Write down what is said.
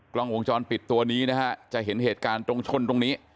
กล้องวงจรปิดตัวนี้นะฮะจะเห็นเหตุการณ์ตรงชนตรงนี้